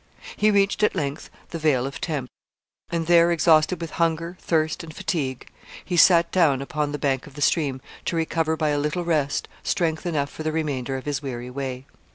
He reached, at length, the Vale of Tempe, and there, exhausted with hunger, thirst, and fatigue, he sat down upon the bank of the stream to recover by a little rest strength enough for the remainder of his weary way.